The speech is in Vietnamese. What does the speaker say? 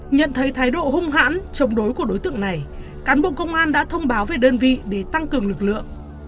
nhận thấy thái độ hung hãn chống đối của đối tượng này cán bộ công an đã thông báo về đơn vị để tăng cường lực lượng